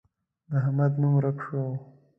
د احمد نوم ورک شو.